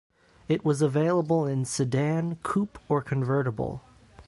It was available in sedan, coupe or convertible.